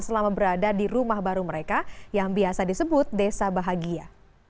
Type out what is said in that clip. selama berada di rumah baru mereka yang biasa disebut desa bahagia